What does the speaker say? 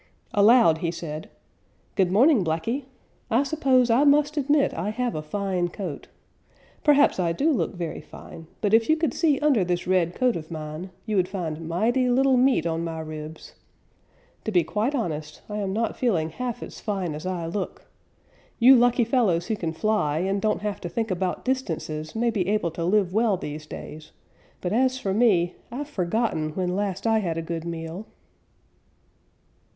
Aloud he said, "Good morning, Blacky. I suppose I must admit I have a fine coat. Perhaps I do look very fine, but if you could see under this red coat of mine, you would find mighty little meat on my ribs. To be quite honest, I am not feeling half as fine as I look. You lucky fellows who can fly and don't have to think about distances may be able to live well these days, but as for me, I've forgotten when last I had a good meal."